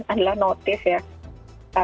adalah notice ya